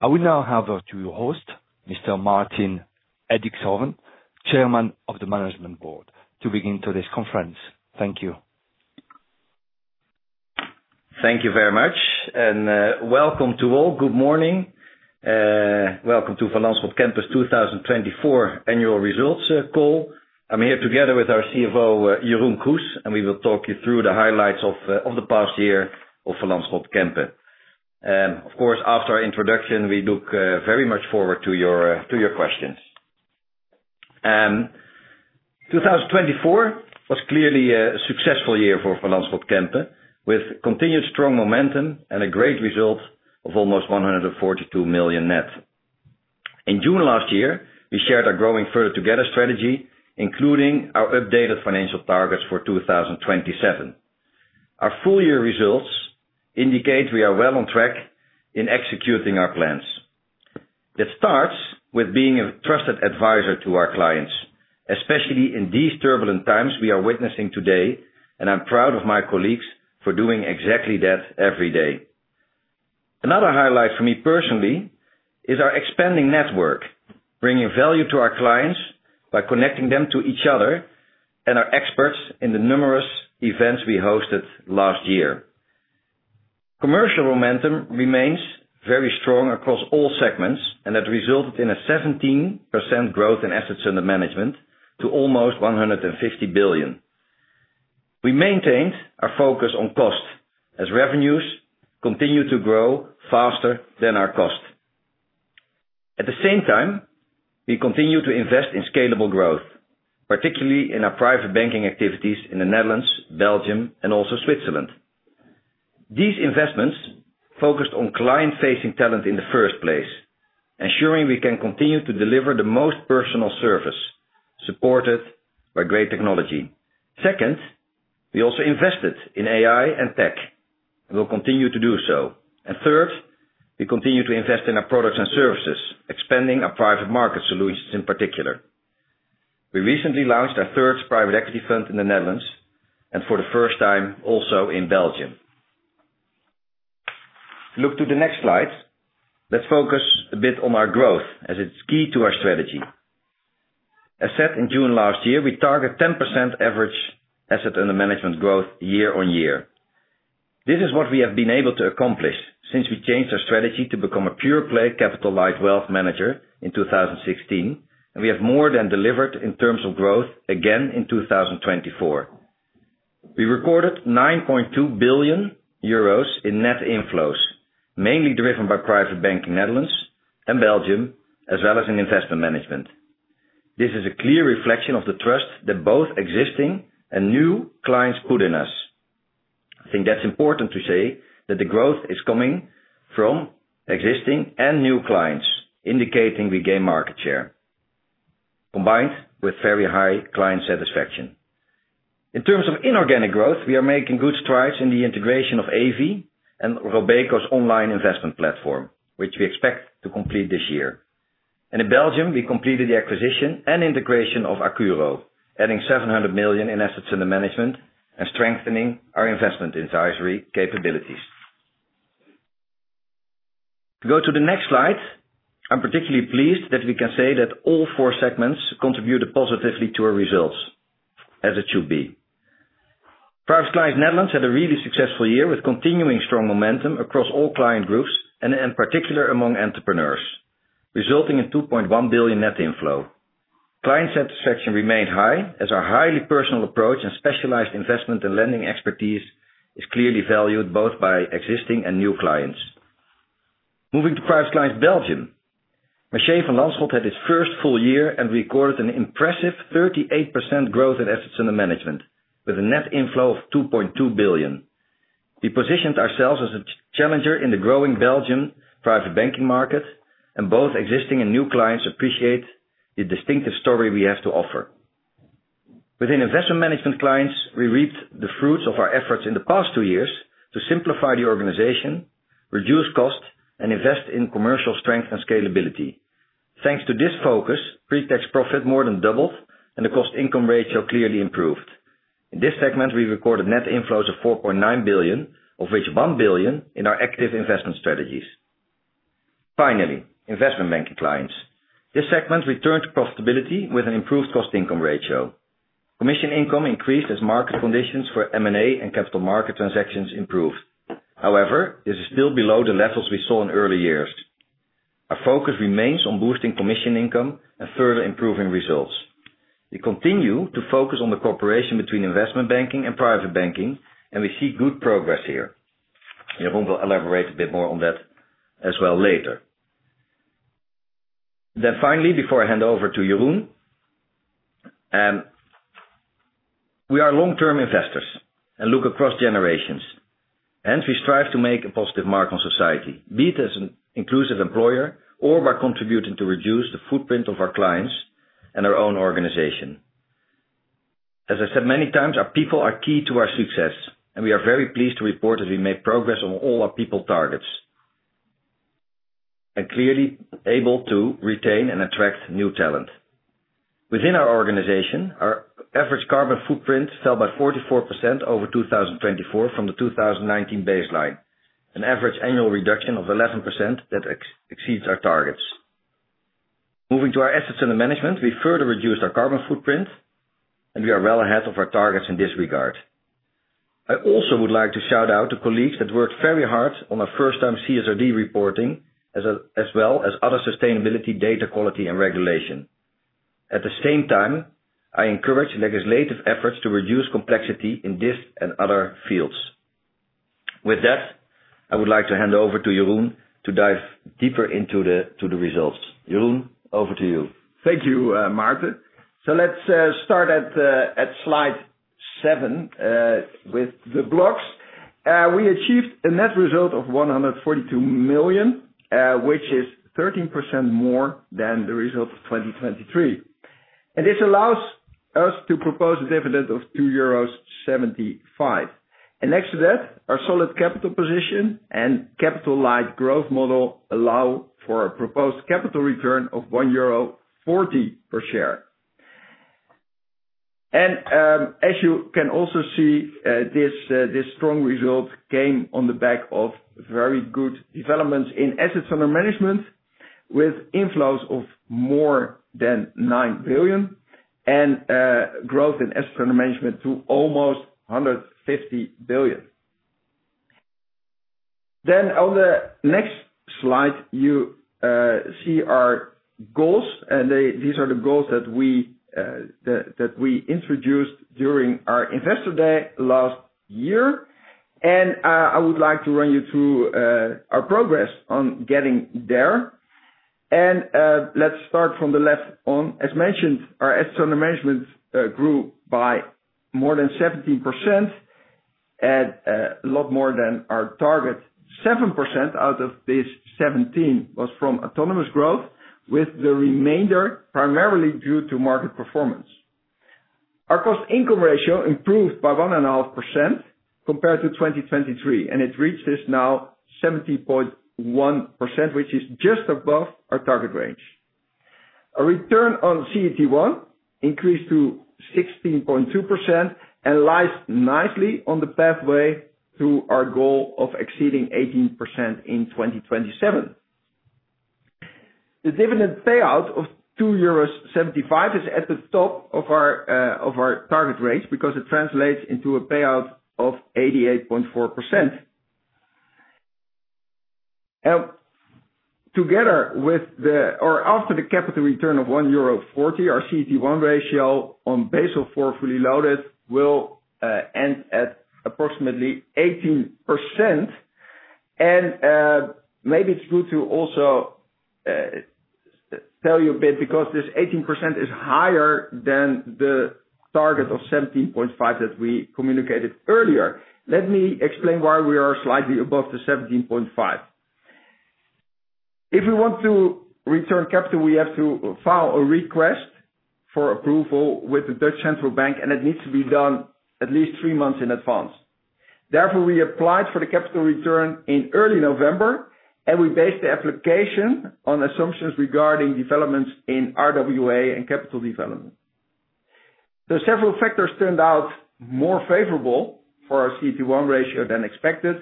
I will now have to host Mr. Maarten Edixhoven, Chairman of the Management Board, to begin today's conference. Thank you. Thank you very much, and welcome to all. Good morning. Welcome to Van Lanschot Kempen's 2024 annual results call. I'm here together with our CFO, Jeroen Kroes, and we will talk you through the highlights of the past year of Van Lanschot Kempen. Of course, after our introduction, we look very much forward to your questions. 2024 was clearly a successful year for Van Lanschot Kempen, with continued strong momentum and a great result of almost 142 million net. In June last year, we shared our "Growing Further Together" strategy, including our updated financial targets for 2027. Our full year results indicate we are well on track in executing our plans. That starts with being a trusted advisor to our clients, especially in these turbulent times we are witnessing today, and I'm proud of my colleagues for doing exactly that every day. Another highlight for me personally is our expanding network, bringing value to our clients by connecting them to each other and our experts in the numerous events we hosted last year. Commercial momentum remains very strong across all segments, and that resulted in a 17% growth in assets under management to almost 150 billion. We maintained our focus on cost as revenues continue to grow faster than our cost. At the same time, we continue to invest in scalable growth, particularly in our private banking activities in the Netherlands, Belgium, and also Switzerland. These investments focused on client-facing talent in the first place, ensuring we can continue to deliver the most personal service, supported by great technology. Second, we also invested in AI and tech, and we'll continue to do so. And third, we continue to invest in our products and services, expanding our private market solutions in particular. We recently launched our third private equity fund in the Netherlands, and for the first time also in Belgium. Look to the next slide. Let's focus a bit on our growth, as it's key to our strategy. As set in June last year, we target 10% average asset under management growth year on year. This is what we have been able to accomplish since we changed our strategy to become a pure play capital light wealth manager in 2016, and we have more than delivered in terms of growth again in 2024. We recorded 9.2 billion euros in net inflows, mainly driven by private banking Netherlands and Belgium, as well as in Investment Management. This is a clear reflection of the trust that both existing and new clients put in us. I think that's important to say that the growth is coming from existing and new clients, indicating we gain market share, combined with very high client satisfaction. In terms of inorganic growth, we are making good strides in the integration of Evi van Lanschot and Robeco's online investment platform, which we expect to complete this year. In Belgium, we completed the acquisition and integration of Accuro, adding 700 million in assets under management and strengthening our investment advisory capabilities. To go to the next slide, I'm particularly pleased that we can say that all four segments contributed positively to our results, as it should be. Private Clients Netherlands had a really successful year with continuing strong momentum across all client groups, and in particular among entrepreneurs, resulting in 2.1 billion net inflow. Client satisfaction remained high, as our highly personal approach and specialized investment and lending expertise is clearly valued both by existing and new clients. Moving to Private Clients Belgium, Mercier Van Lanschot had its first full year and recorded an impressive 38% growth in assets under management, with a net inflow of 2.2 billion. We positioned ourselves as a challenger in the growing Belgium private banking market, and both existing and new clients appreciate the distinctive story we have to offer. Within Investment Management Clients, we reaped the fruits of our efforts in the past two years to simplify the organization, reduce cost, and invest in commercial strength and scalability. Thanks to this focus, pre-tax profit more than doubled, and the cost-income ratio clearly improved. In this segment, we recorded net inflows of 4.9 billion, of which 1 billion in our active investment strategies. Finally, investment banking clients. This segment returned to profitability with an improved cost-income ratio. Commission income increased as market conditions for M&A and capital market transactions improved. However, this is still below the levels we saw in early years. Our focus remains on boosting commission income and further improving results. We continue to focus on the cooperation between investment banking and private banking, and we see good progress here. Jeroen will elaborate a bit more on that as well later. Then finally, before I hand over to Jeroen, we are long-term investors and look across generations. Hence, we strive to make a positive mark on society, be it as an inclusive employer or by contributing to reduce the footprint of our clients and our own organization. As I said many times, our people are key to our success, and we are very pleased to report that we made progress on all our people targets and clearly able to retain and attract new talent. Within our organization, our average carbon footprint fell by 44% over 2024 from the 2019 baseline, an average annual reduction of 11% that exceeds our targets. Moving to our assets under management, we further reduced our carbon footprint, and we are well ahead of our targets in this regard. I also would like to shout out to colleagues that worked very hard on our first-time CSRD reporting, as well as other sustainability data quality and regulation. At the same time, I encourage legislative efforts to reduce complexity in this and other fields. With that, I would like to hand over to Jeroen to dive deeper into the results. Jeroen, over to you. Thank you, Maarten. So let's start at slide seven with the blocks. We achieved a net result of 142 million, which is 13% more than the result of 2023. And this allows us to propose a dividend of 2.75 euros. And next to that, our solid capital position and capital light growth model allow for a proposed capital return of 1.40 euro per share. And as you can also see, this strong result came on the back of very good developments in assets under management, with inflows of more than nine billion and growth in assets under management to almost 150 billion. Then on the next slide, you see our goals, and these are the goals that we introduced during our investor day last year. And I would like to run you through our progress on getting there. And let's start from the left on. As mentioned, our assets under management grew by more than 17%, a lot more than our target. 7% out of this 17% was from autonomous growth, with the remainder primarily due to market performance. Our cost-income ratio improved by 1.5% compared to 2023, and it reached this now 17.1%, which is just above our target range. Our return on CET1 increased to 16.2% and lies nicely on the pathway to our goal of exceeding 18% in 2027. The dividend payout of 2.75 euros is at the top of our target range because it translates into a payout of 88.4%. Together with the, or after the capital return of 1.40 euro, our CET1 ratio on Basel IV fully loaded will end at approximately 18%. Maybe it's good to also tell you a bit because this 18% is higher than the target of 17.5% that we communicated earlier. Let me explain why we are slightly above the 17.5%. If we want to return capital, we have to file a request for approval with the Dutch Central Bank, and it needs to be done at least three months in advance. Therefore, we applied for the capital return in early November, and we based the application on assumptions regarding developments in RWA and capital development. So several factors turned out more favorable for our CET1 ratio than expected,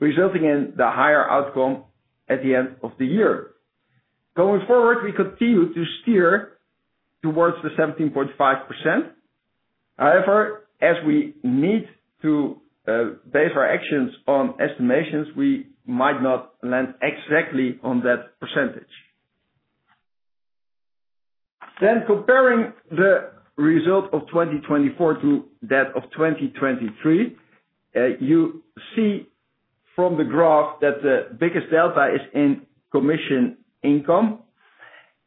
resulting in the higher outcome at the end of the year. Going forward, we continue to steer towards the 17.5%. However, as we need to base our actions on estimations, we might not land exactly on that percentage. Comparing the result of 2024 to that of 2023, you see from the graph that the biggest delta is in commission income,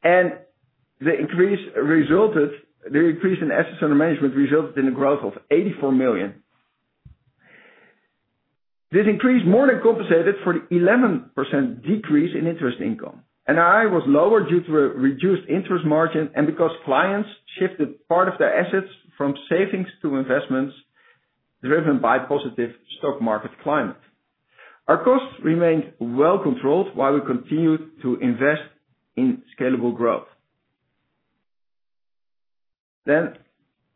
and the increase in assets under management resulted in a growth of 84 million. This increase more than compensated for the 11% decrease in interest income. NII was lower due to a reduced interest margin and because clients shifted part of their assets from savings to investments driven by positive stock market climate. Our costs remained well controlled while we continued to invest in scalable growth.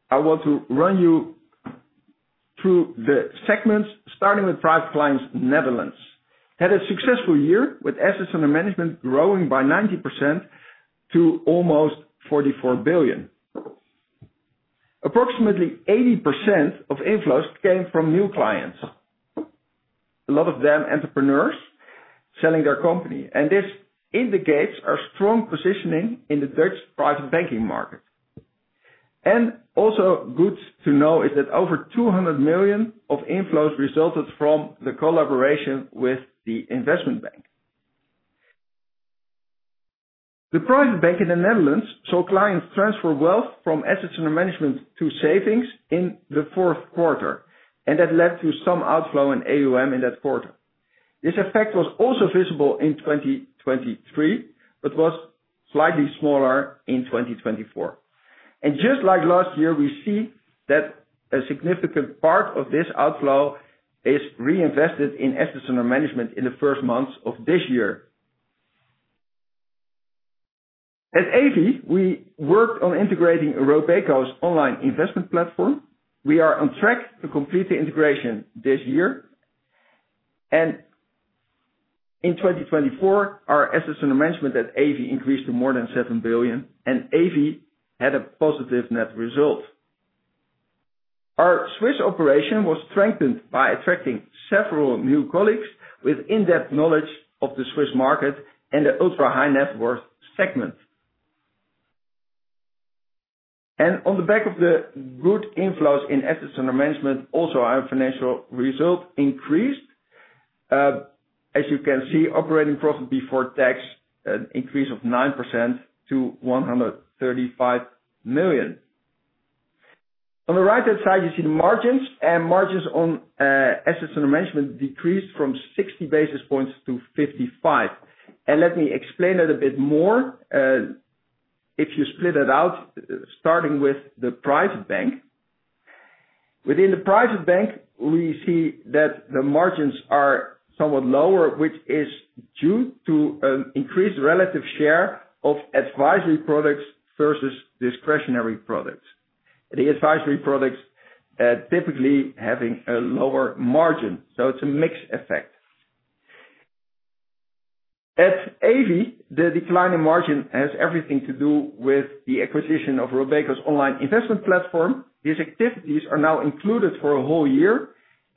I want to run you through the segments, starting with Private Clients Netherlands. It had a successful year with assets under management growing by 90% to almost EUR 44 billion. Approximately 80% of inflows came from new clients, a lot of them entrepreneurs selling their company. This indicates our strong positioning in the Dutch private banking market. Also good to know is that over 200 million of inflows resulted from the collaboration with the investment bank. The private bank in the Netherlands saw clients transfer wealth from assets under management to savings in the fourth quarter, and that led to some outflow in AUM in that quarter. This effect was also visible in 2023, but was slightly smaller in 2024. Just like last year, we see that a significant part of this outflow is reinvested in assets under management in the first months of this year. At Evi, we worked on integrating Robeco's online investment platform. We are on track to complete the integration this year. In 2024, our assets under management at Evi increased to more than 7 billion, and Evi had a positive net result. Our Swiss operation was strengthened by attracting several new colleagues with in-depth knowledge of the Swiss market and the ultra-high net worth segment. And on the back of the good inflows in assets under management, also our financial result increased. As you can see, operating profit before tax increased by 9% to 135 million. On the right-hand side, you see the margins, and margins on assets under management decreased from 60 basis points to 55. And let me explain that a bit more. If you split it out, starting with the private bank, within the private bank, we see that the margins are somewhat lower, which is due to an increased relative share of advisory products versus discretionary products. The advisory products typically have a lower margin, so it's a mixed effect. At Evi van Lanschot, the decline in margin has everything to do with the acquisition of Robeco's online investment platform. These activities are now included for a whole year.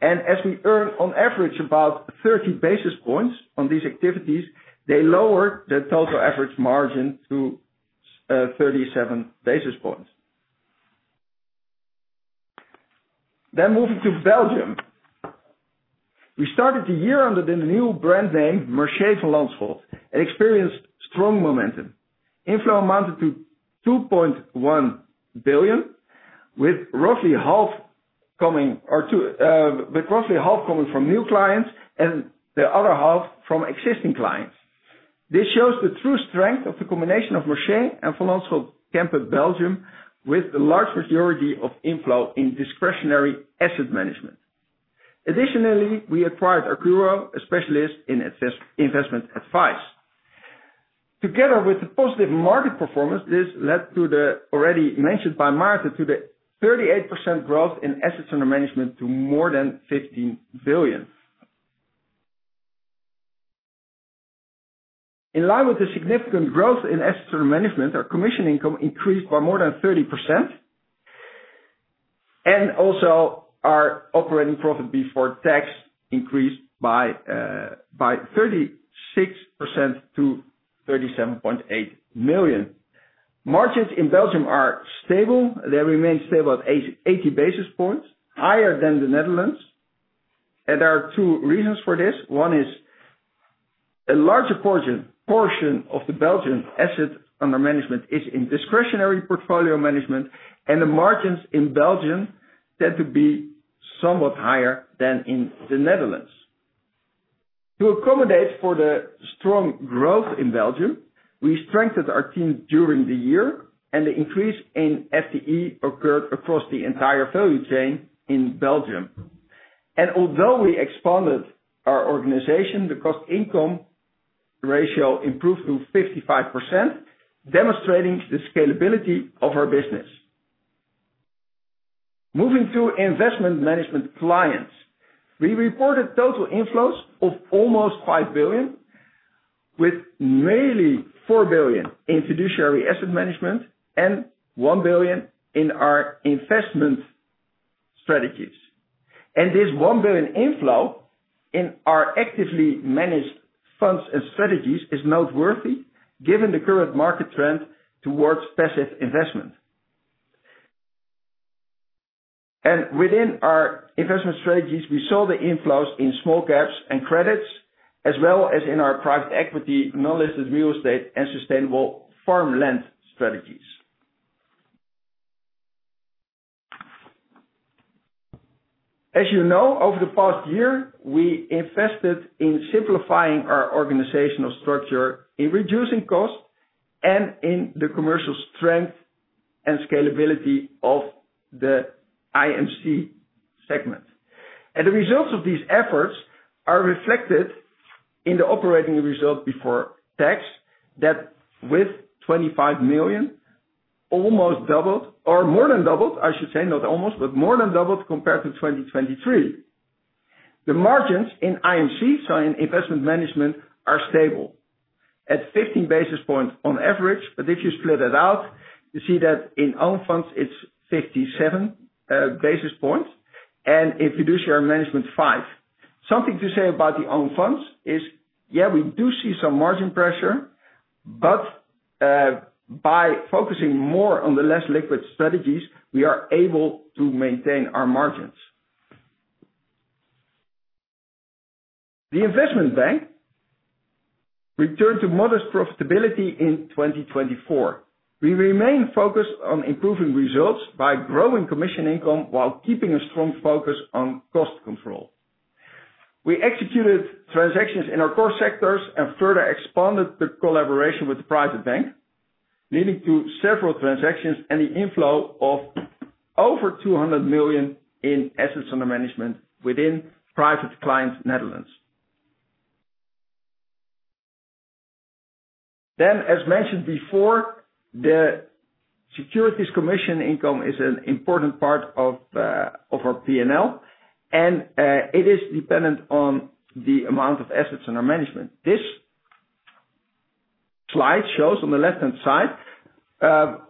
And as we earn on average about 30 basis points on these activities, they lower the total average margin to 37 basis points. Then moving to Belgium, we started the year under the new brand name Mercier Van Lanschot and experienced strong momentum. Inflow amounted to 2.1 billion, with roughly half coming from new clients and the other half from existing clients. This shows the true strength of the combination of Mercier and Van Lanschot Kempen Belgium with the large majority of inflow in discretionary asset management. Additionally, we acquired Accuro, a specialist in investment advice. Together with the positive market performance, this led to the already mentioned by Maarten, to the 38% growth in assets under management to more than 15 billion. In line with the significant growth in assets under management, our commission income increased by more than 30%, and also our operating profit before tax increased by 36% to 37.8 million. Margins in Belgium are stable. They remain stable at 80 basis points, higher than the Netherlands, and there are two reasons for this. One is a larger portion of the Belgian assets under management is in discretionary portfolio management, and the margins in Belgium tend to be somewhat higher than in the Netherlands. To accommodate for the strong growth in Belgium, we strengthened our team during the year, and the increase in FTE occurred across the entire value chain in Belgium, and although we expanded our organization, the cost-income ratio improved to 55%, demonstrating the scalability of our business. Moving to Investment Management clients, we reported total inflows of almost 5 billion, with nearly 4 billion in fiduciary asset management and 1 billion in our investment strategies. This 1 billion inflow in our actively managed funds and strategies is noteworthy given the current market trend towards passive investment. Within our investment strategies, we saw the inflows in small caps and credits, as well as in our private equity, non-listed real estate, and sustainable farmland strategies. As you know, over the past year, we invested in simplifying our organizational structure, in reducing costs, and in the commercial strength and scalability of the IMC segment. The results of these efforts are reflected in the operating result before tax that, with 25 million, almost doubled, or more than doubled, I should say, not almost, but more than doubled compared to 2023. The margins in IMC, so in Investment Management, are stable at 15 basis points on average. But if you split it out, you see that in own funds, it's 57 basis points, and in fiduciary management, five. Something to say about the own funds is, yeah, we do see some margin pressure, but by focusing more on the less liquid strategies, we are able to maintain our margins. The investment bank returned to modest profitability in 2024. We remain focused on improving results by growing commission income while keeping a strong focus on cost control. We executed transactions in our core sectors and further expanded the collaboration with the private bank, leading to several transactions and the inflow of over 200 million in assets under management within private client Netherlands. Then, as mentioned before, the securities commission income is an important part of our P&L, and it is dependent on the amount of assets under management. This slide shows on the left-hand side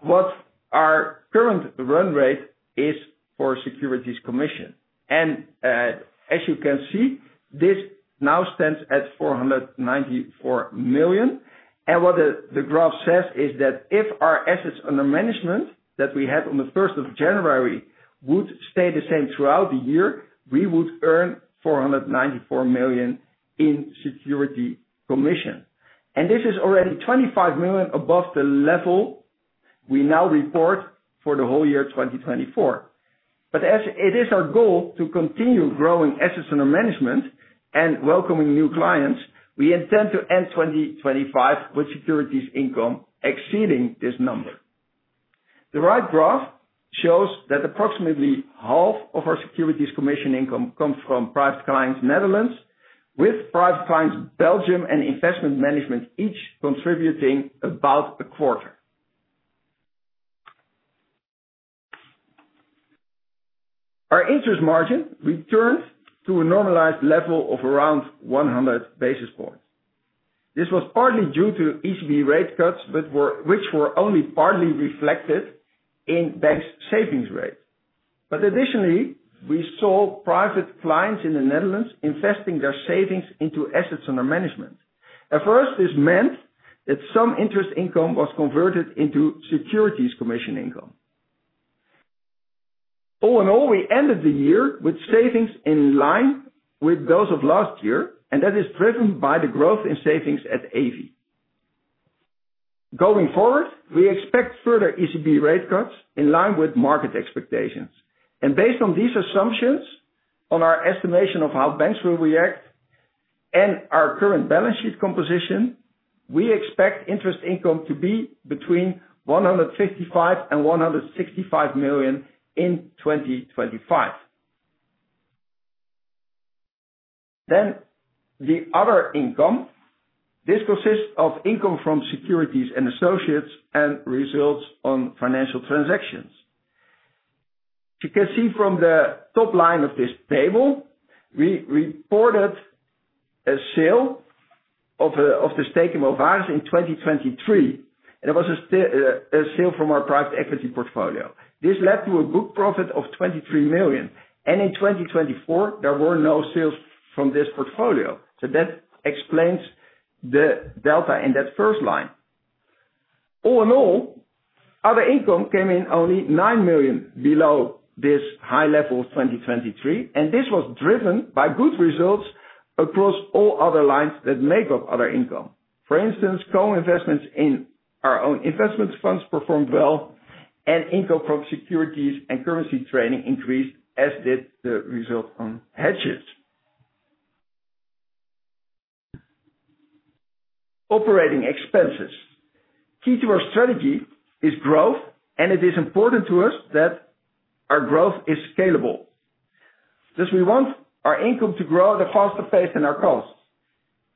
what our current run rate is for securities commission. And as you can see, this now stands at 494 million. And what the graph says is that if our assets under management that we had on the 1st of January would stay the same throughout the year, we would earn 494 million in securities commission. And this is already 25 million above the level we now report for the whole year 2024. But as it is our goal to continue growing assets under management and welcoming new clients, we intend to end 2025 with securities income exceeding this number. The right graph shows that approximately half of our securities commission income comes from Private Clients Netherlands, with Private Clients Belgium and Investment Management each contributing about a quarter. Our interest margin returned to a normalized level of around 100 basis points. This was partly due to ECB rate cuts, which were only partly reflected in banks' savings rates, but additionally, we saw Private Clients in the Netherlands investing their savings into assets under management. At first, this meant that some interest income was converted into securities commission income. All in all, we ended the year with savings in line with those of last year, and that is driven by the growth in savings at Evi van Lanschot. Going forward, we expect further ECB rate cuts in line with market expectations. Based on these assumptions, on our estimation of how banks will react and our current balance sheet composition, we expect interest income to be between 155 million and 165 million in 2025. The other income consists of income from securities and associates and results on financial transactions. You can see from the top line of this table, we reported a sale of the stake in Movares in 2023. It was a sale from our private equity portfolio. This led to a book profit of 23 million. In 2024, there were no sales from this portfolio. That explains the delta in that first line. All in all, other income came in only 9 million below this high level of 2023. This was driven by good results across all other lines that make up other income. For instance, co-investments in our own investment funds performed well, and income from securities and currency trading increased, as did the result on hedges. Operating expenses. Key to our strategy is growth, and it is important to us that our growth is scalable. As we want our income to grow at a faster pace than our costs,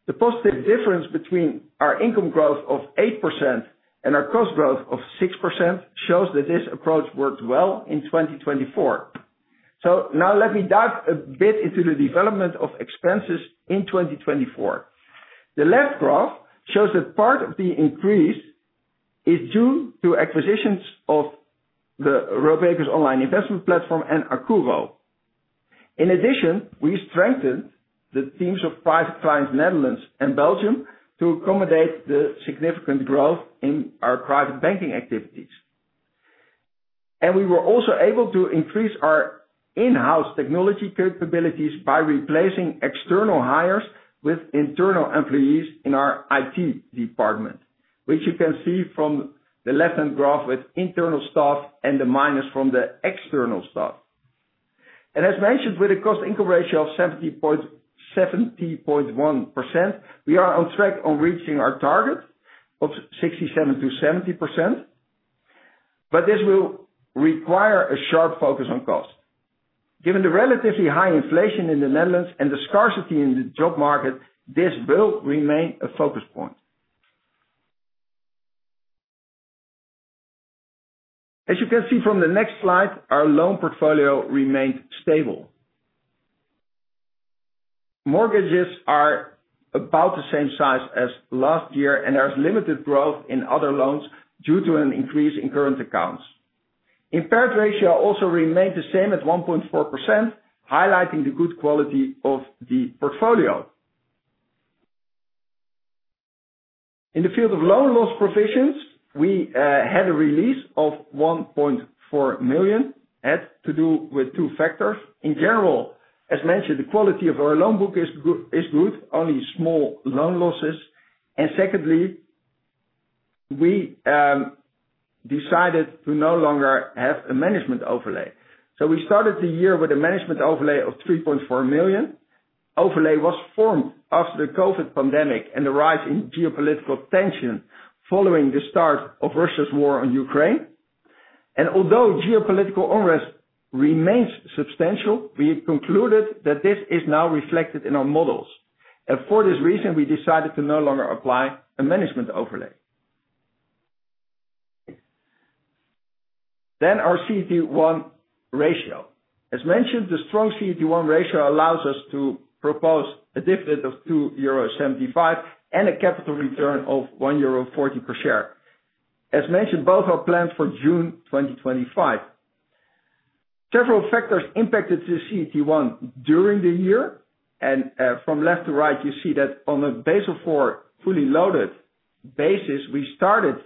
the positive difference between our income growth of 8% and our cost growth of 6% shows that this approach worked well in 2024. So now let me dive a bit into the development of expenses in 2024. The left graph shows that part of the increase is due to acquisitions of the Robeco's online investment platform and Accuro. In addition, we strengthened the teams of Private Clients Netherlands and Belgium to accommodate the significant growth in our private banking activities. We were also able to increase our in-house technology capabilities by replacing external hires with internal employees in our IT department, which you can see from the left-hand graph with internal staff and the minus from the external staff. As mentioned, with a cost-income ratio of 70.71%, we are on track on reaching our target of 67%-70%. This will require a sharp focus on cost. Given the relatively high inflation in the Netherlands and the scarcity in the job market, this will remain a focus point. As you can see from the next slide, our loan portfolio remained stable. Mortgages are about the same size as last year, and there is limited growth in other loans due to an increase in current accounts. Impaired ratio also remained the same at 1.4%, highlighting the good quality of the portfolio. In the field of loan loss provisions, we had a release of 1.4 million due to two factors. In general, as mentioned, the quality of our loan book is good, only small loan losses. Secondly, we decided to no longer have a management overlay. We started the year with a management overlay of 3.4 million. The overlay was formed after the COVID pandemic and the rise in geopolitical tension following the start of Russia's war on Ukraine. Although geopolitical unrest remains substantial, we concluded that this is now reflected in our models. For this reason, we decided to no longer apply a management overlay. Our CET1 ratio. As mentioned, the strong CET1 ratio allows us to propose a dividend of 2.75 euro and a capital return of 1.40 euro per share. As mentioned, both are planned for June 2025. Several factors impacted the CET1 during the year. And from left to right, you see that on a Basel IV fully loaded basis, we started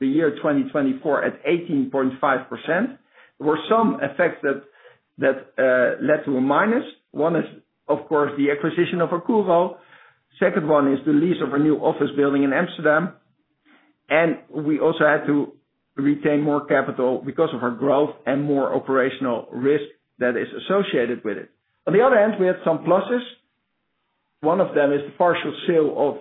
the year 2024 at 18.5%. There were some effects that led to a minus. One is, of course, the acquisition of Accuro. Second one is the lease of a new office building in Amsterdam. And we also had to retain more capital because of our growth and more operational risk that is associated with it. On the other hand, we had some pluses. One of them is the partial sale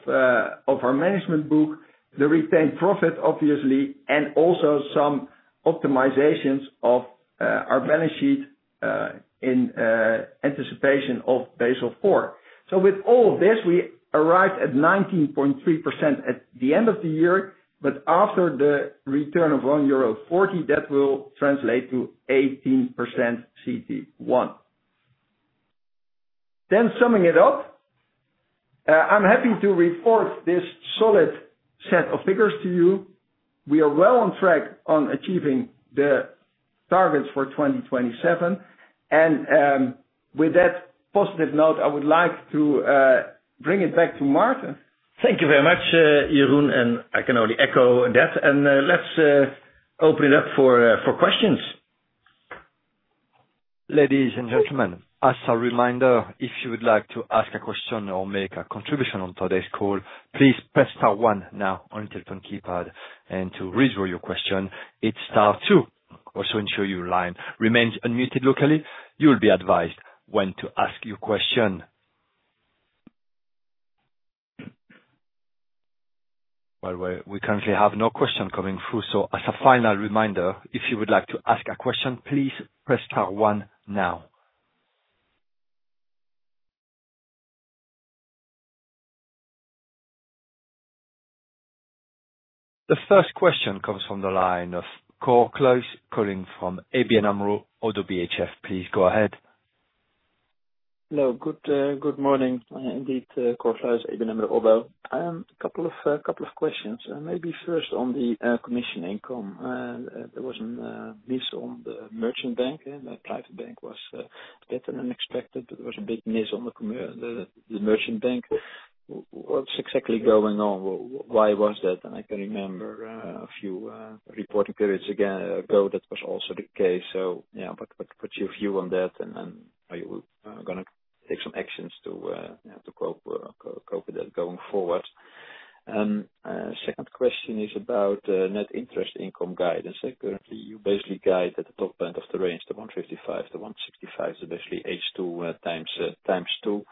of our management book, the retained profit, obviously, and also some optimizations of our balance sheet in anticipation of Basel IV. So with all of this, we arrived at 19.3% at the end of the year. But after the return of 1.40 euro, that will translate to 18% CET1. Then summing it up, I'm happy to report this solid set of figures to you. We are well on track on achieving the targets for 2027. And with that positive note, I would like to bring it back to Maarten. Thank you very much, Jeroen, and I can only echo that. And let's open it up for questions. Ladies and gentlemen, as a reminder, if you would like to ask a question or make a contribution on today's call, please press star one now on the telephone keypad. And to read through your question, it's star two. Also, ensure your line remains unmuted locally. You'll be advised when to ask your question. By the way, we currently have no question coming through. So as a final reminder, if you would like to ask a question, please press star one now. The first question comes from the line of Cor Kluis, calling from ABN Amro - Oddo BHF. Please go ahead. Hello. Good morning. Cor Kluis, ABN Amro - Oddo BHF. A couple of questions. Maybe first on the commission income. There was a miss on the merchant bank. The private bank was better than expected, but there was a big miss on the merchant bank. What's exactly going on? Why was that? And I can remember a few reporting periods ago that was also the case. So yeah, what's your view on that? And are you going to take some actions to cope with that going forward? Second question is about net interest income guidance. Currently, you basically guide at the top end of the range to 155 to 165, so basically H2 times 2.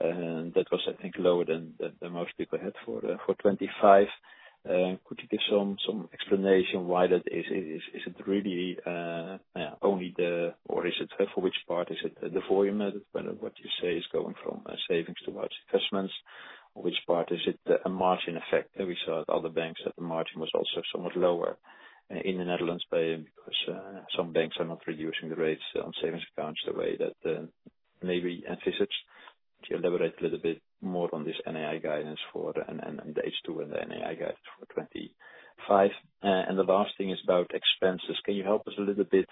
That was, I think, lower than most people had for 2025. Could you give some explanation why that is? Is it really only the, or is it for which part? Is it the volume that what you say is going from savings to large investments? Which part is it a margin effect? We saw at other banks that the margin was also somewhat lower in the Netherlands because some banks are not reducing the rates on savings accounts the way that maybe anticipates. Could you elaborate a little bit more on this NII guidance for the H2 and the NII guidance for 2025? And the last thing is about expenses. Can you help us a little bit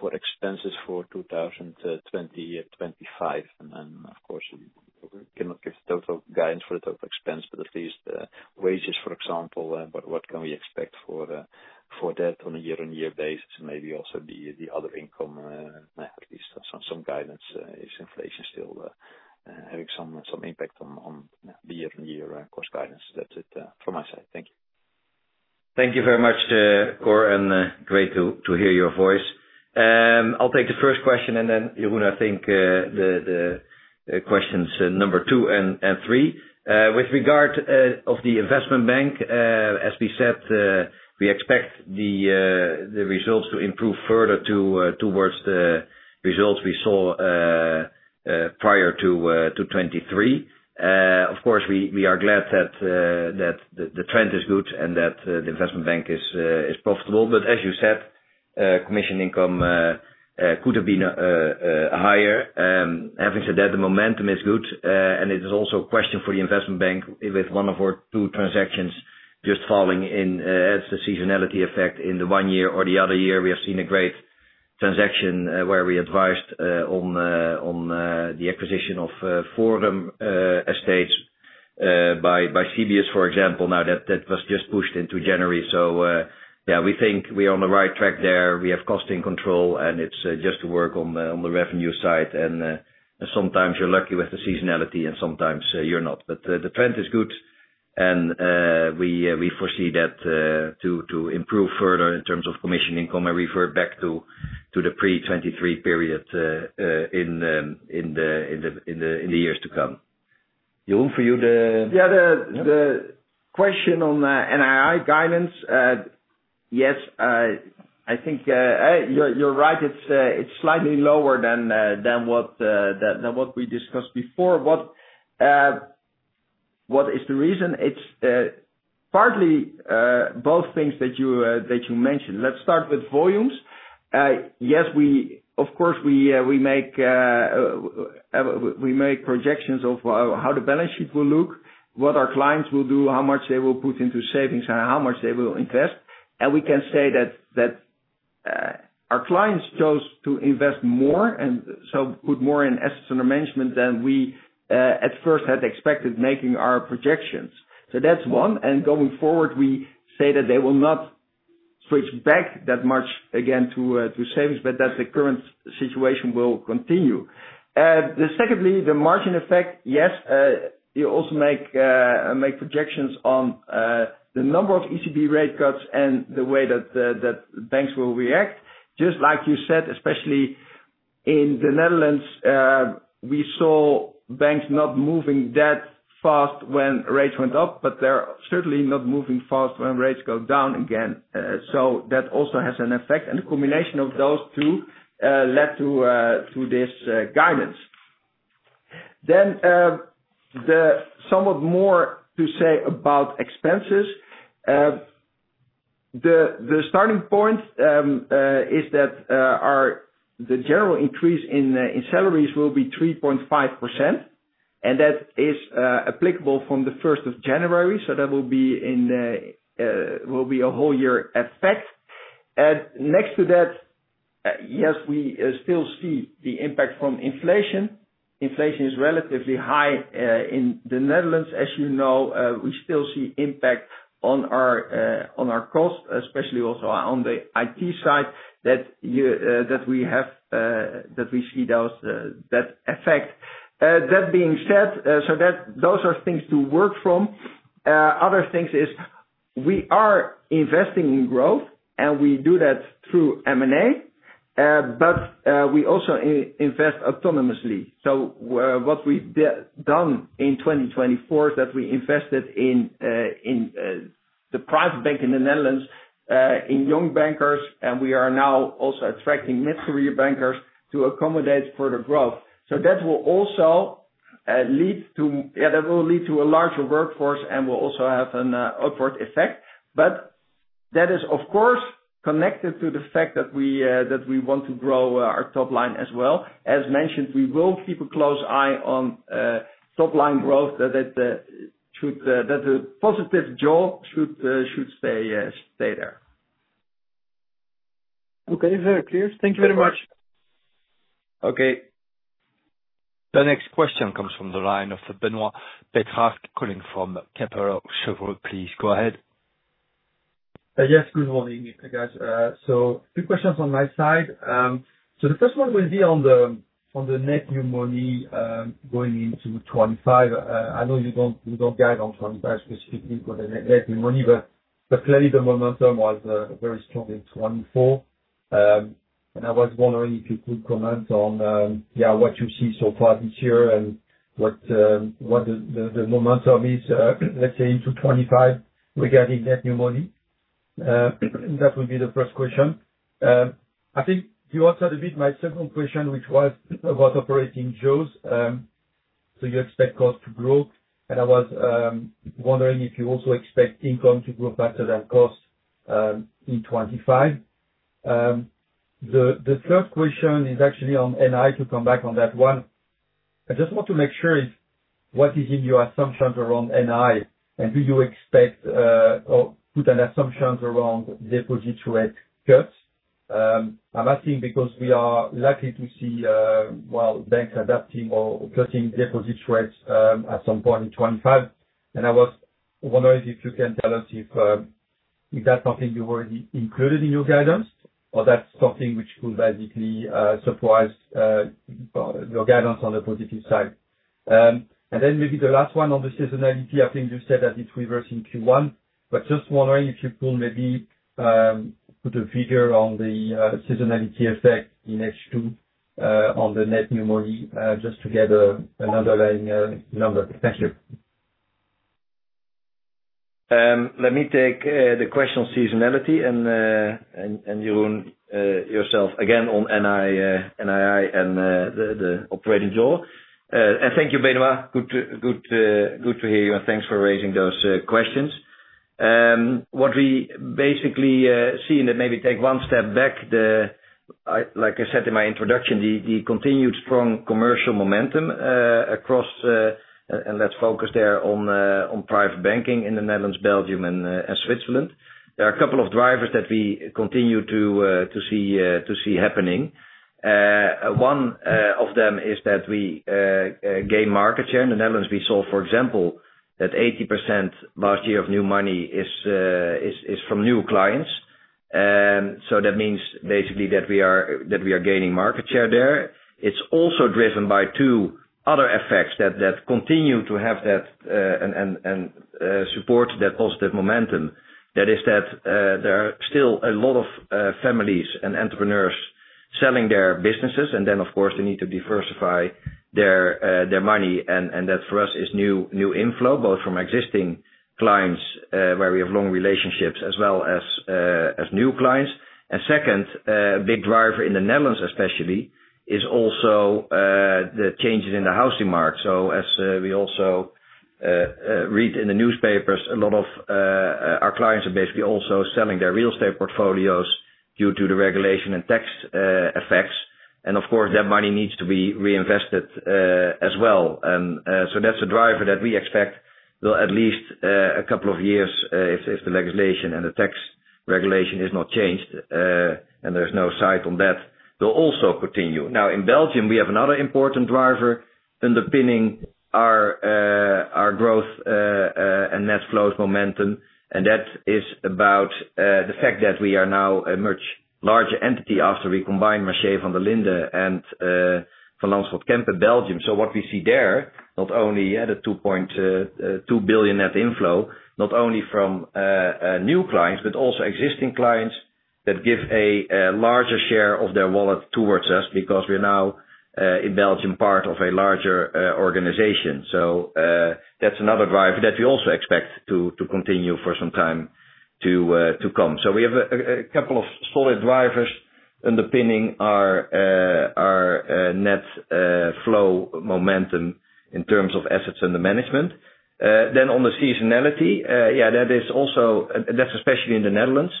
for expenses for 2025? And then, of course, we cannot give the total guidance for the total expense, but at least wages, for example, what can we expect for that on a year-on-year basis? And maybe also the other income, at least some guidance. Is inflation still having some impact on the year-on-year cost guidance? That's it from my side. Thank you. Thank you very much, Cor, and great to hear your voice. I'll take the first question, and then, Jeroen, I think the questions number two and three. With regard to the investment bank, as we said, we expect the results to improve further towards the results we saw prior to 2023. Of course, we are glad that the trend is good and that the investment bank is profitable. But as you said, commission income could have been higher. Having said that, the momentum is good, and it is also a question for the investment bank with one of our two transactions just falling in. That's the seasonality effect in the one year or the other year. We have seen a great transaction where we advised on the acquisition of Forum Estates by Cibus, for example. Now, that was just pushed into January. So yeah, we think we are on the right track there. We have cost control, and it's just to work on the revenue side. And sometimes you're lucky with the seasonality, and sometimes you're not. But the trend is good, and we foresee that to improve further in terms of commission income. I refer back to the pre-2023 period in the years to come. Jeroen, for you? The question on NII guidance, yes, I think you're right. It's slightly lower than what we discussed before. What is the reason? It's partly both things that you mentioned. Let's start with volumes. Yes, of course, we make projections of how the balance sheet will look, what our clients will do, how much they will put into savings, and how much they will invest. And we can say that our clients chose to invest more and put more in assets under management than we at first had expected, making our projections. So that's one. And going forward, we say that they will not switch back that much again to savings, but that the current situation will continue. Secondly, the margin effect. Yes, you also make projections on the number of ECB rate cuts and the way that banks will react. Just like you said, especially in the Netherlands, we saw banks not moving that fast when rates went up, but they're certainly not moving fast when rates go down again. So that also has an effect. And the combination of those two led to this guidance. Then, somewhat more to say about expenses. The starting point is that the general increase in salaries will be 3.5%, and that is applicable from the 1st of January, so that will be a whole-year effect. Next to that, yes, we still see the impact from inflation. Inflation is relatively high in the Netherlands. As you know, we still see impact on our costs, especially also on the IT side that we see that effect. That being said, so those are things to work from. Other things is we are investing in growth, and we do that through M&A, but we also invest autonomously, so what we've done in 2024 is that we invested in the private bank in the Netherlands, in young bankers, and we are now also attracting mid-career bankers to accommodate further growth, so that will also lead to, yeah, that will lead to a larger workforce and will also have an upward effect. But that is, of course, connected to the fact that we want to grow our top line as well. As mentioned, we will keep a close eye on top line growth that the positive jaws should stay there. Okay, very clear. Thank you very much. Okay. The next question comes from the line of Benoît Pétrarque calling from Kepler Cheuvreux. Please go ahead. Yes, good morning, guys. So two questions on my side. So the first one will be on the net new money going into 2025. I know you don't guide on 2025 specifically for the net new money, but clearly the momentum was very strong in 2024. And I was wondering if you could comment on what you see so far this year and what the momentum is, let's say, into 2025 regarding net new money. That would be the first question. I think you answered a bit my second question, which was about operating jaws. So you expect cost to grow, and I was wondering if you also expect income to grow faster than cost in 2025. The third question is actually on NII to come back on that one. I just want to make sure what is in your assumptions around NII, and do you expect or put an assumption around deposit rate cuts? I'm asking because we are likely to see, well, banks adapting or cutting deposit rates at some point in 2025. And I was wondering if you can tell us if that's something you've already included in your guidance or that's something which could basically surprise your guidance on the positive side. And then maybe the last one on the seasonality. I think you said that it reversed in Q1, but just wondering if you could maybe put a figure on the seasonality effect in H2 on the net new money just to get an underlying number. Thank you. Let me take the question on seasonality and Jeroen yourself again on NII and the operating jaws. And thank you, Benoît. Good to hear you, and thanks for raising those questions. What we basically see in that. Maybe take one step back, like I said in my introduction, the continued strong commercial momentum across, and let's focus there on private banking in the Netherlands, Belgium, and Switzerland. There are a couple of drivers that we continue to see happening. One of them is that we gain market share in the Netherlands. We saw, for example, that 80% last year of new money is from new clients, so that means basically that we are gaining market share there. It's also driven by two other effects that continue to have that and support that positive momentum. That is that there are still a lot of families and entrepreneurs selling their businesses, and then, of course, they need to diversify their money, and that for us is new inflow, both from existing clients where we have long relationships as well as new clients, and second, a big driver in the Netherlands especially is also the changes in the housing market, so as we also read in the newspapers, a lot of our clients are basically also selling their real estate portfolios due to the regulation and tax effects, and of course, that money needs to be reinvested as well. And so that's a driver that we expect will at least a couple of years, if the legislation and the tax regulation is not changed, and there's no sign of that, will also continue. Now, in Belgium, we have another important driver underpinning our growth and net flows momentum, and that is about the fact that we are now a much larger entity after we combined Mercier Vanderlinden and Van Lanschot Belgium. So what we see there, not only the 2.2 billion net inflow, not only from new clients, but also existing clients that give a larger share of their wallet towards us because we're now in Belgium part of a larger organization. So that's another driver that we also expect to continue for some time to come. So we have a couple of solid drivers underpinning our net flow momentum in terms of assets under management. Then, on the seasonality, yeah, that is also especially in the Netherlands.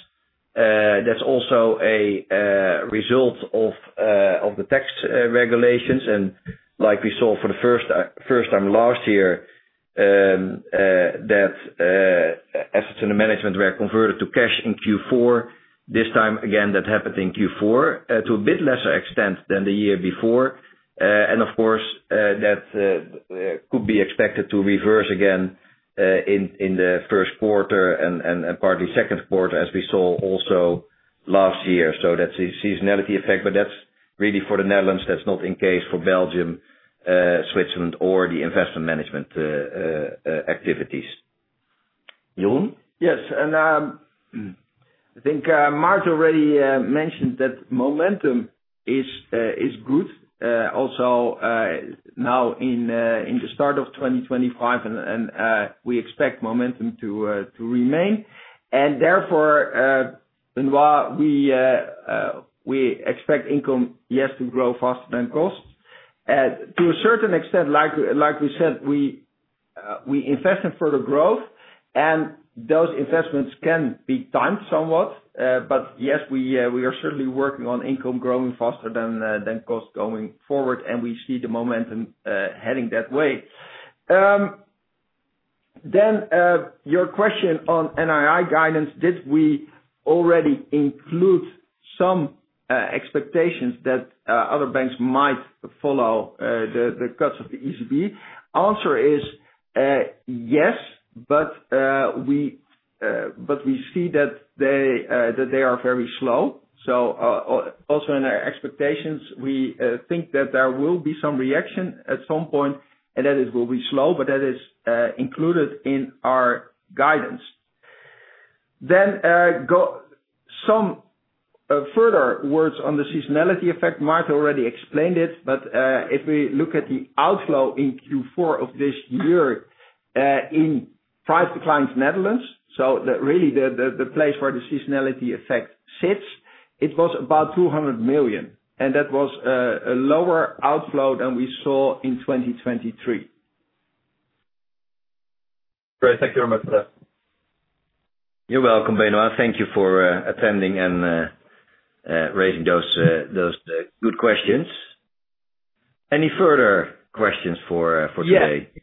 That's also a result of the tax regulations. And like we saw for the first time last year, that assets under management were converted to cash in Q4. This time, again, that happened in Q4 to a bit lesser extent than the year before. And of course, that could be expected to reverse again in the first quarter and partly second quarter, as we saw also last year. So that's the seasonality effect, but that's really for the Netherlands. That's not the case for Belgium, Switzerland, or the Investment Management activities. Jeroen? Yes. And I think Maarten already mentioned that momentum is good. Also, now in the start of 2025, and we expect momentum to remain. And therefore, Benoît, we expect income, yes, to grow faster than cost. To a certain extent, like we said, we invest in further growth, and those investments can be timed somewhat. But yes, we are certainly working on income growing faster than cost going forward, and we see the momentum heading that way. Then your question on NII guidance, did we already include some expectations that other banks might follow the cuts of the ECB? Answer is yes, but we see that they are very slow. So also in our expectations, we think that there will be some reaction at some point, and that it will be slow, but that is included in our guidance. Then some further words on the seasonality effect. Maarten already explained it, but if we look at the outflow in Q4 of this year in Private Clients Netherlands, so really the place where the seasonality effect sits, it was about 200 million, and that was a lower outflow than we saw in 2023. Great. Thank you very much for that. You're welcome, Benoît. Thank you for attending and raising those good questions. Any further questions for today? Yes.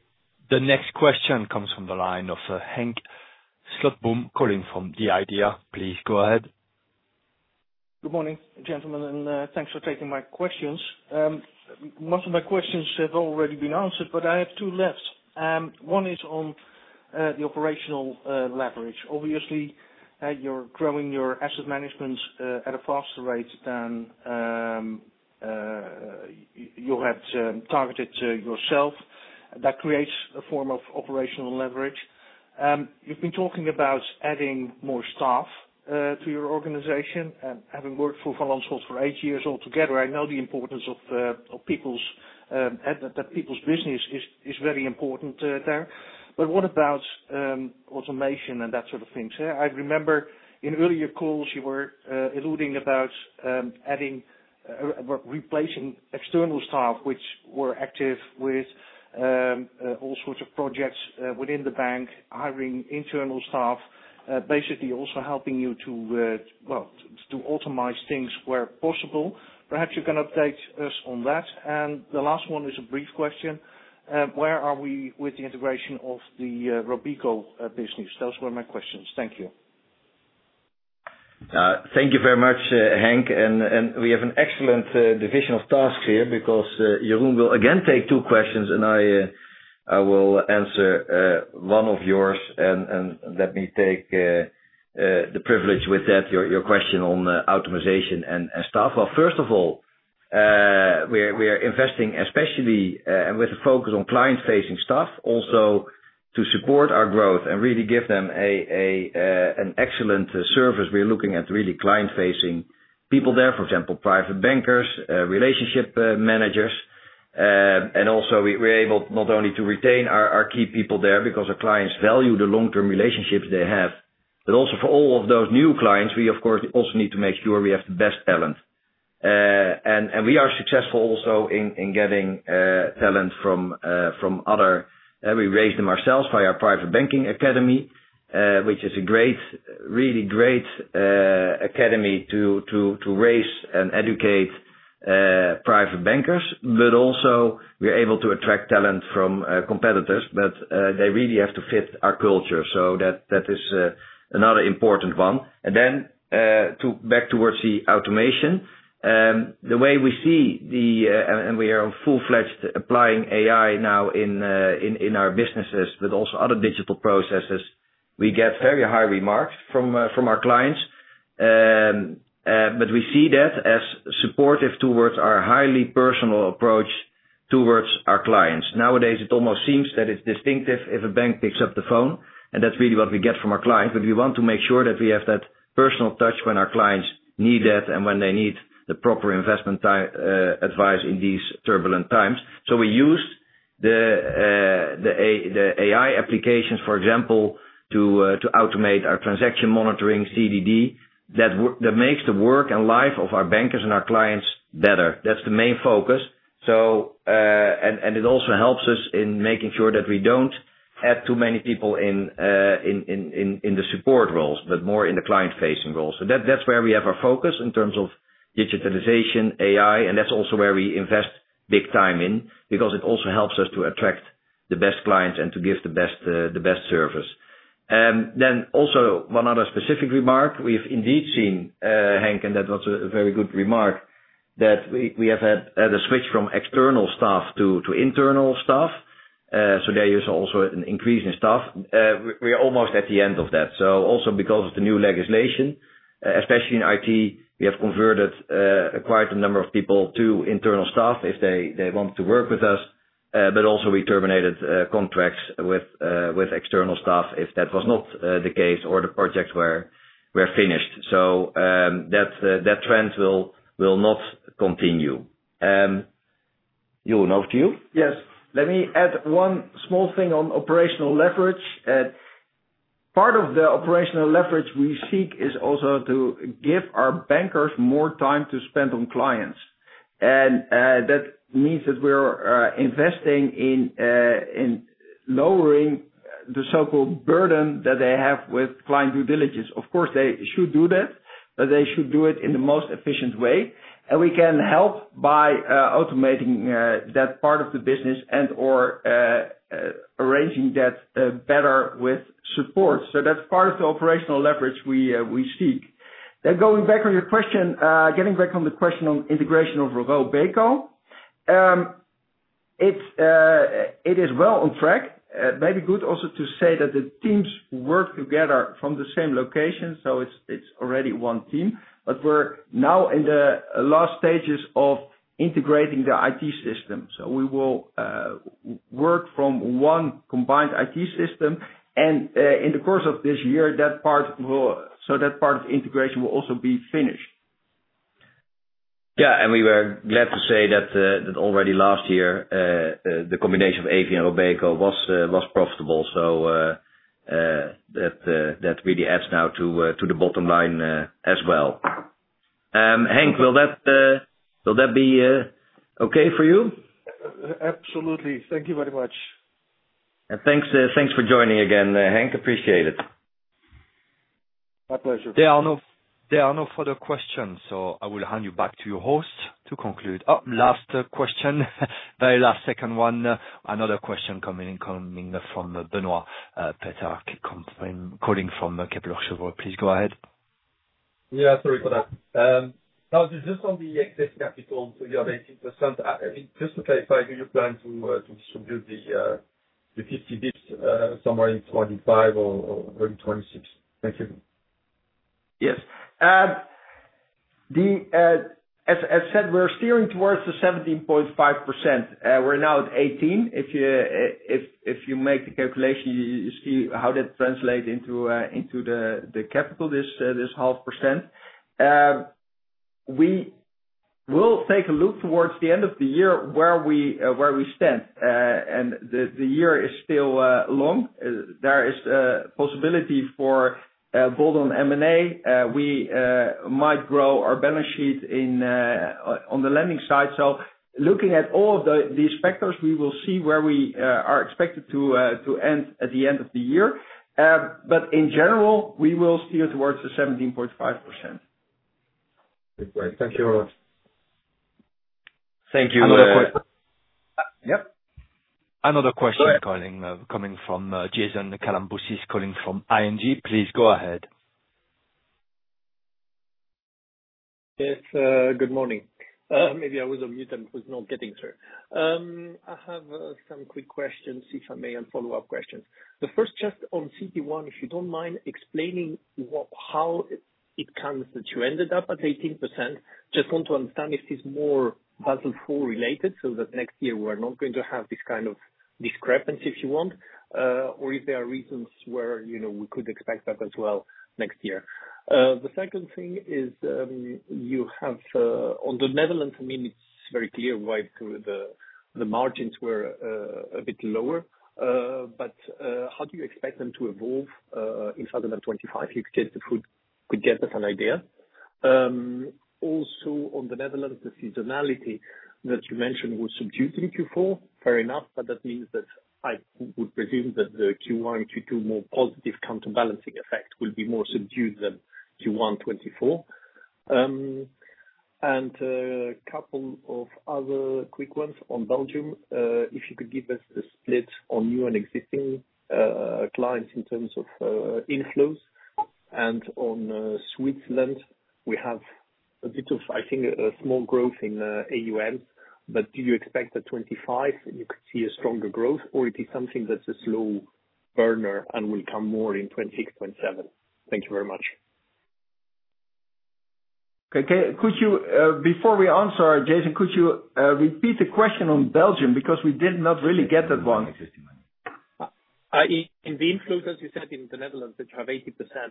The next question comes from the line of Henk Slotboom calling from The IDEA!. Please go ahead. Good morning, gentlemen, and thanks for taking my questions. Most of my questions have already been answered, but I have two left. One is on the operational leverage. Obviously, you're growing your asset management at a faster rate than you had targeted yourself. That creates a form of operational leverage. You've been talking about adding more staff to your organization and having worked for Van Lanschot for eight years altogether. I know the importance of people's business is very important there, but what about automation and that sort of thing? I remember in earlier calls, you were alluding about replacing external staff, which were active with all sorts of projects within the bank, hiring internal staff, basically also helping you to, well, to automate things where possible. Perhaps you can update us on that, and the last one is a brief question. Where are we with the integration of the Robeco business? Those were my questions. Thank you. Thank you very much, Henk, and we have an excellent division of tasks here because Jeroen will again take two questions, and I will answer one of yours, and let me take the privilege with that, your question on automation and staff. First of all, we are investing especially and with a focus on client-facing staff, also to support our growth and really give them an excellent service. We're looking at really client-facing people there, for example, private bankers, relationship managers. And also, we're able not only to retain our key people there because our clients value the long-term relationships they have, but also for all of those new clients, we, of course, also need to make sure we have the best talent. And we are successful also in getting talent from other. We raise them ourselves via Private Banking Academy, which is a great, really great academy to raise and educate private bankers. But also, we're able to attract talent from competitors, but they really have to fit our culture. So that is another important one. Then back towards the automation, the way we see it and we are now full-fledged applying AI in our businesses, but also other digital processes. We get very high marks from our clients, but we see that as supportive towards our highly personal approach towards our clients. Nowadays, it almost seems that it's distinctive if a bank picks up the phone, and that's really what we get from our clients. But we want to make sure that we have that personal touch when our clients need that and when they need the proper investment advice in these turbulent times. So we used the AI applications, for example, to automate our transaction monitoring, CDD, that makes the work and life of our bankers and our clients better. That's the main focus. It also helps us in making sure that we don't add too many people in the support roles, but more in the client-facing roles. So that's where we have our focus in terms of digitalization, AI, and that's also where we invest big time in because it also helps us to attract the best clients and to give the best service. Then also one other specific remark, we have indeed seen, Henk, and that was a very good remark, that we have had a switch from external staff to internal staff. So there is also an increase in staff. We're almost at the end of that. So also because of the new legislation, especially in IT, we have converted, acquired a number of people to internal staff if they wanted to work with us, but also we terminated contracts with external staff if that was not the case or the projects were finished. So that trend will not continue. Jeroen, over to you. Yes. Let me add one small thing on operational leverage. Part of the operational leverage we seek is also to give our bankers more time to spend on clients. And that means that we're investing in lowering the so-called burden that they have with client due diligence. Of course, they should do that, but they should do it in the most efficient way. And we can help by automating that part of the business and/or arranging that better with support. So that's part of the operational leverage we seek. Then going back on your question, getting back on the question on integration of Robeco, it is well on track. Maybe good also to say that the teams work together from the same location, so it's already one team. But we're now in the last stages of integrating the IT system. So we will work from one combined IT system. And in the course of this year, that part of integration will also be finished. Yeah. And we were glad to say that already last year, the combination of Evi and Robeco was profitable. So that really adds now to the bottom line as well. Henk, will that be okay for you? Absolutely. Thank you very much. And thanks for joining again, Henk. Appreciate it. My pleasure. There are no further questions, so I will hand you back to your host to conclude. Last question, very last second one, another question coming from Benoît Pétrarque calling from Kepler Cheuvreux. Please go ahead. Yeah. Sorry for that. Now, just on the excess capital, so you have 18%. I mean, just to clarify, do you plan to distribute the 50 basis points somewhere in 2025 or 2026? Thank you. Yes. As I said, we're steering towards the 17.5%. We're now at 18%. If you make the calculation, you see how that translates into the capital, this 0.5%. We will take a look towards the end of the year where we stand. And the year is still long. There is a possibility for a bolt-on M&A. We might grow our balance sheet on the lending side. So looking at all of these factors, we will see where we are expected to end at the end of the year. But in general, we will steer towards the 17.5%. Great. Thank you very much. Thank you. Another question coming from Jason Kalamboussis from ING. Please go ahead. Yes. Good morning. Maybe I was on mute and was not getting through. I have some quick questions, if I may, and follow-up questions. The first, just on CET1, if you don't mind explaining how it comes that you ended up at 18%. Just want to understand if it's more Basel IV related so that next year we're not going to have this kind of discrepancy, if you want, or if there are reasons where we could expect that as well next year. The second thing is you have on the Netherlands, I mean, it's very clear why the margins were a bit lower. But how do you expect them to evolve in 2025? You could get us an idea. Also, on the Netherlands, the seasonality that you mentioned was subdued in Q4. Fair enough. But that means that I would presume that the Q1 and Q2 more positive counterbalancing effect will be more subdued than Q1, 2024. And a couple of other quick ones on Belgium. If you could give us the split on new and existing clients in terms of inflows. And on Switzerland, we have a bit of, I think, a small growth in AUMs. But do you expect that 2025 you could see a stronger growth, or it is something that's a slow burner and will come more in 2026, 2027? Thank you very much. Okay. Before we answer, Jason, could you repeat the question on Belgium because we did not really get that one? In the inflows, as you said, in the Netherlands, that you have 80%,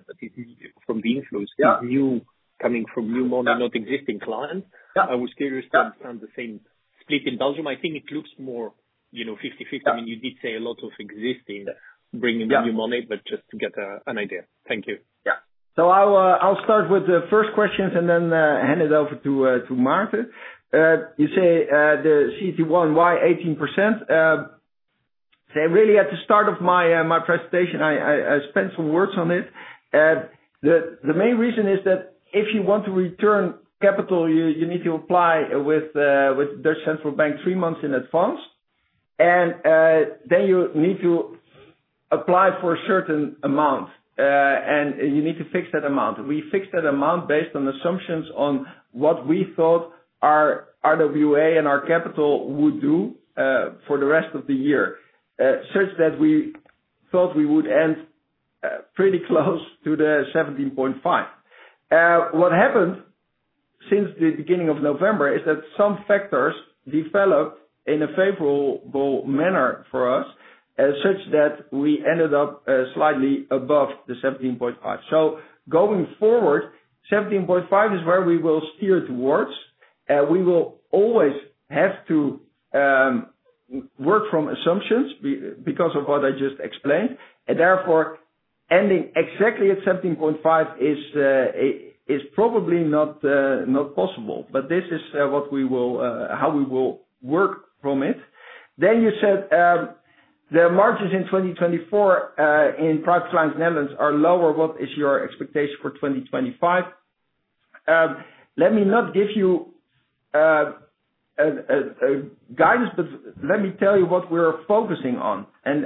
but it is from the inflows coming from new money, not existing clients. I was curious to understand the same split in Belgium. I think it looks more 50/50. I mean, you did say a lot of existing bringing in new money, but just to get an idea. Thank you. Yeah. So I'll start with the first questions and then hand it over to Maarten. You say the CET1, why 18%? Really, at the start of my presentation, I spent some words on it. The main reason is that if you want to return capital, you need to apply with the central bank three months in advance. And then you need to apply for a certain amount, and you need to fix that amount. We fixed that amount based on assumptions on what we thought our RWA and our capital would do for the rest of the year, such that we thought we would end pretty close to the 17.5. What happened since the beginning of November is that some factors developed in a favorable manner for us, such that we ended up slightly above the 17.5, so going forward, 17.5 is where we will steer towards. We will always have to work from assumptions because of what I just explained, and therefore, ending exactly at 17.5 is probably not possible, but this is how we will work from it, then you said the margins in 2024 in Private clients in the Netherlands are lower. What is your expectation for 2025? Let me not give you guidance, but let me tell you what we're focusing on, and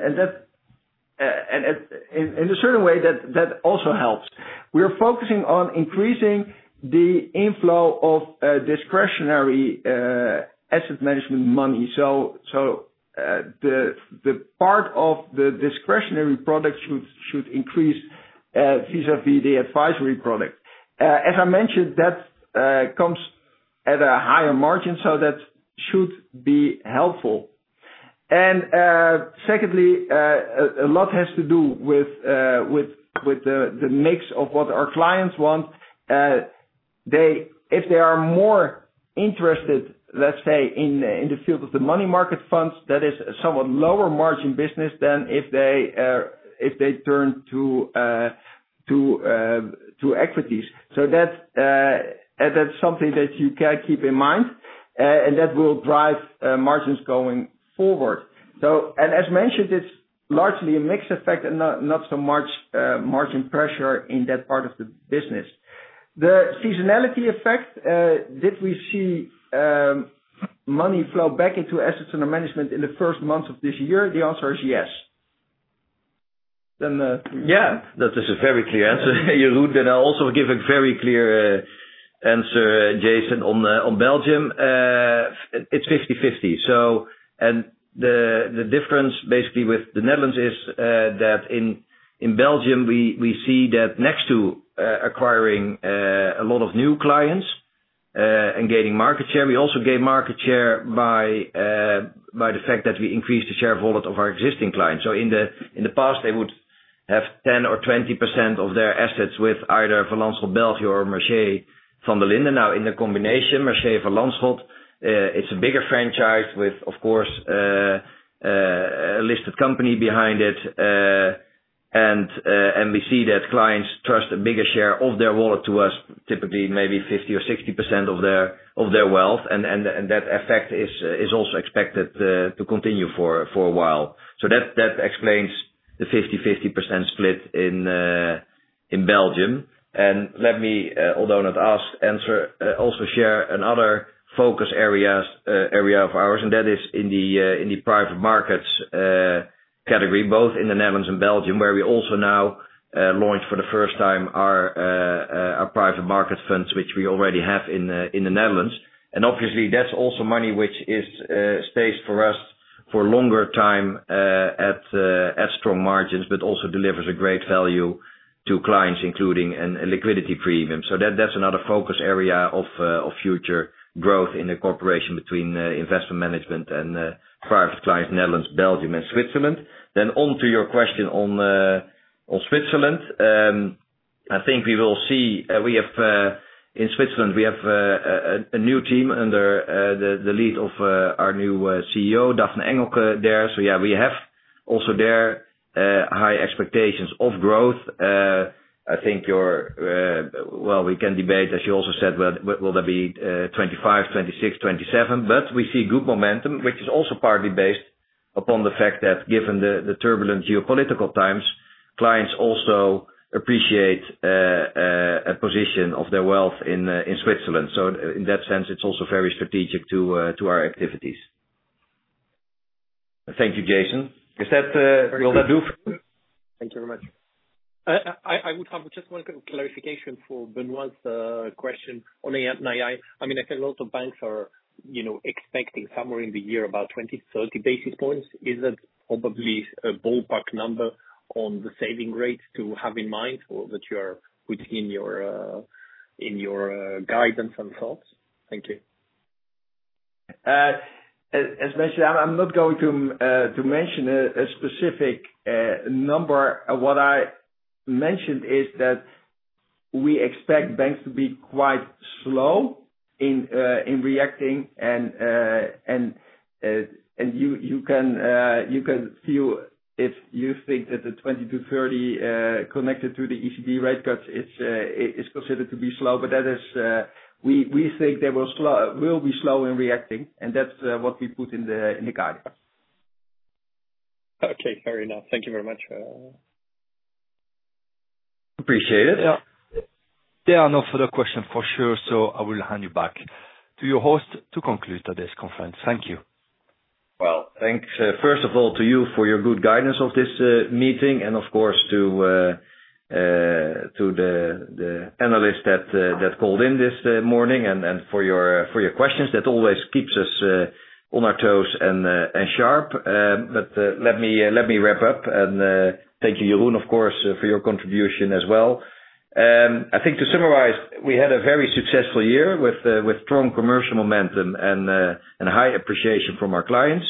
in a certain way, that also helps. We're focusing on increasing the inflow of discretionary asset management money. So the part of the discretionary product should increase vis-à-vis the advisory product. As I mentioned, that comes at a higher margin, so that should be helpful. And secondly, a lot has to do with the mix of what our clients want. If they are more interested, let's say, in the field of the money market funds, that is a somewhat lower margin business than if they turn to equities. So that's something that you can keep in mind, and that will drive margins going forward. And as mentioned, it's largely a mixed effect and not so much margin pressure in that part of the business. The seasonality effect, did we see money flow back into assets under management in the first months of this year? The answer is yes. Yeah. That is a very clear answer, Jeroen. I'll also give a very clear answer, Jason, on Belgium. It's 50/50. The difference, basically, with the Netherlands is that in Belgium, we see that next to acquiring a lot of new clients and gaining market share, we also gain market share by the fact that we increase the share of all of our existing clients. So in the past, they would have 10 or 20% of their assets with either Van Lanschot Belgium or Mercier Vanderlinden. Now, in the combination, Mercier Van Lanschot, it's a bigger franchise with, of course, a listed company behind it. And we see that clients trust a bigger share of their wallet to us, typically maybe 50% or 60% of their wealth. And that effect is also expected to continue for a while. So that explains the 50/50% split in Belgium. And let me, although not asked, also share another focus area of ours, and that is in the private markets category, both in the Netherlands and Belgium, where we also now launch for the first time our private market funds, which we already have in the Netherlands. And obviously, that's also money which stays for us for longer time at strong margins, but also delivers a great value to clients, including a liquidity premium. So that's another focus area of future growth in the corporation between Investment Management and Private Clients, Netherlands, Belgium, and Switzerland. Then on to your question on Switzerland. I think we will see in Switzerland. We have a new team under the lead of our new CEO, Daphne Engelke there. So yeah, we have also there high expectations of growth. I think your, well, we can debate, as you also said, will that be 2025, 2026, 2027? But we see good momentum, which is also partly based upon the fact that given the turbulent geopolitical times, clients also appreciate a position of their wealth in Switzerland. So in that sense, it's also very strategic to our activities. Thank you, Jason. Will that do for you? Thank you very much. I would have just one clarification for Benoît's question on AI. I mean, I think a lot of banks are expecting somewhere in the year about 20-30 basis points. Is that probably a ballpark number on the saving rate to have in mind that you are putting in your guidance and thoughts? Thank you. As mentioned, I'm not going to mention a specific number. What I mentioned is that we expect banks to be quite slow in reacting. And you can feel if you think that the 20-30 connected to the ECB rate cuts is considered to be slow, but we think they will be slow in reacting. And that's what we put in the guidance. Okay. Fair enough. Thank you very much. Appreciate it. There are no further questions for sure, so I will hand you back to your host to conclude today's conference. Thank you. Well, thanks, first of all, to you for your good guidance of this meeting and, of course, to the analysts that called in this morning and for your questions. That always keeps us on our toes and sharp. But let me wrap up. And thank you, Jeroen, of course, for your contribution as well. I think to summarize, we had a very successful year with strong commercial momentum and high appreciation from our clients.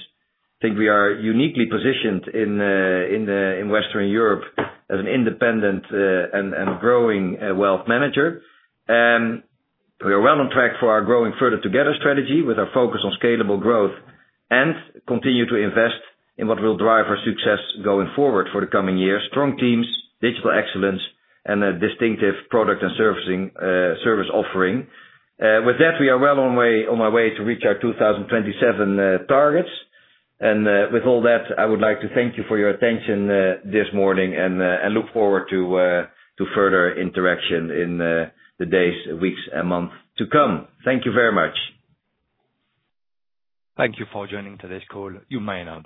I think we are uniquely positioned in Western Europe as an independent and growing wealth manager. We are well on track for our Growing Further Together strategy with our focus on scalable growth and continue to invest in what will drive our success going forward for the coming year: strong teams, digital excellence, and a distinctive product and service offering. With that, we are well on our way to reach our 2027 targets, and with all that, I would like to thank you for your attention this morning and look forward to further interaction in the days, weeks, and months to come. Thank you very much. Thank you for joining today's call. You may now.